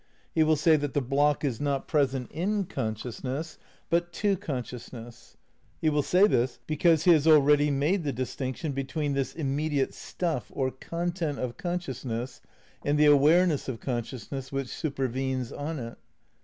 He will say that the block is not present in conscious ness but to consciousness. He will say this because he has already made the distinction between this immedi ate stuff or content of consciousness and the awareness of consciousness which supervenes on it.